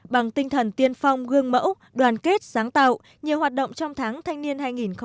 bằng tinh thần tiên phong gương mẫu đoàn kết sáng tạo nhiều hoạt động trong tháng thanh niên hai nghìn một mươi chín